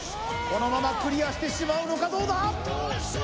このままクリアしてしまうのかどうだ？